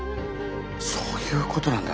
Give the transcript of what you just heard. そういうことなんだ。